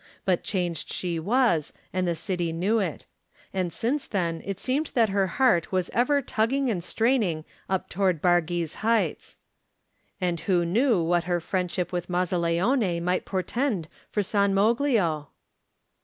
But changed she was, and the city knew it; and since then it seemed that her heart was ever tugging and straining up toward the Bargese heights. And who knew what her friendship with Mazzaleone might portend for San Moglio?